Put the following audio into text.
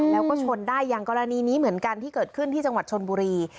แล้วก็ชนได้อย่างกรณีนี้เหมือนกันที่เกิดขึ้นที่จังหวัดชนบุรี